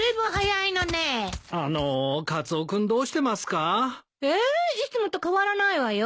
いつもと変わらないわよ。